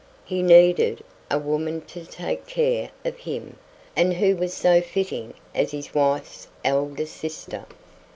He needed a woman to take care of him, and who so fitting as his wife's elder sister?